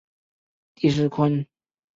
山皂荚为豆科皂荚属的植物。